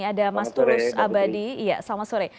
ada mas tulus abadi selamat sore